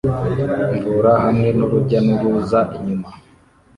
mvura hamwe nurujya n'uruza inyuma